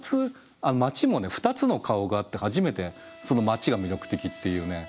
街も２つの顔があって初めてその街が魅力的っていうね。